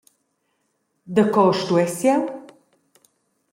Daco, stuess jeu?